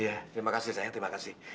iya terima kasih sayang terima kasih